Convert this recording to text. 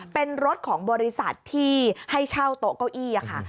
เป็นรถของบริษัทที่ให้เช่าโต๊ะเก้าอี้ค่ะ